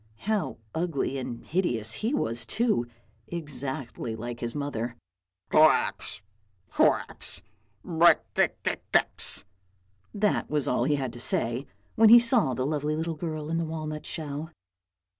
how ugly and hideous he was too, exactly like his mother. " Koax, koax, brekke ke kex, that was all he had to say when he saw the lovely little girl in the walnut shell.